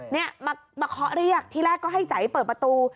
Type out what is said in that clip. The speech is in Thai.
เนี่ยมาเคาะเรียกที่แรกก็ให้ใจเปิดประตู